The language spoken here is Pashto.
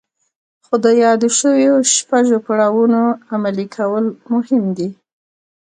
خو د يادو شويو شپږو پړاوونو عملي کول مهم دي.